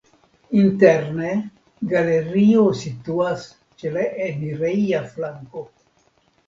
Interne galerio situas ĉe la enireja flanko.